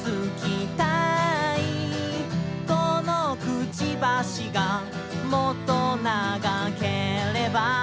「このくちばしがもっと長ければ」